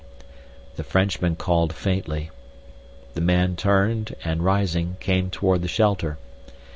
The Frenchman called faintly. The man turned, and rising, came toward the shelter.